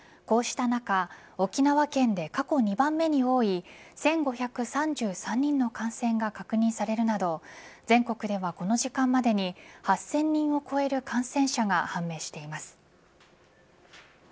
こうした中沖縄県で過去２番目に多い１５３３人の感染が確認されるなど全国ではこの時間までに８０００人を超える感染者が判明しています。